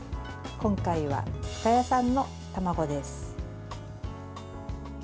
今回は深谷産の卵です。